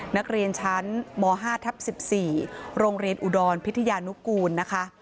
นักเรียนชั้นม๕ทับ๑๔โรงเรียนอุดรพิทยานุกูลนะคะ